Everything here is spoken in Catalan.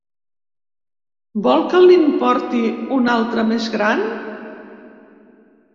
Vol que li'n porti una altra més gran?